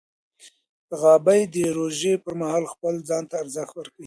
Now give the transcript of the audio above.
غابي د روژې پر مهال خپل ځان ته ارزښت ورکوي.